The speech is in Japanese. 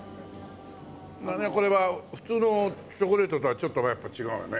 これは普通のチョコレートとはちょっとやっぱ違うよね。